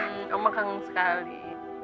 nih ma kangen sekali